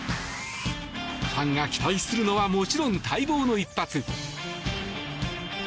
ファンが期待するのはもちろん待望の一発。